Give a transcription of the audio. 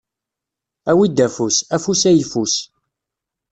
Awi-d afus, afus ayffus.